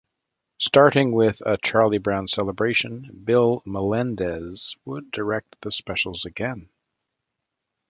Starting with "A Charlie Brown Celebration" Bill Melendez would direct the specials again.